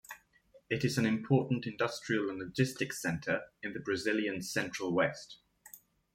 It is an important industrial and logistics center in the Brazilian Central-West.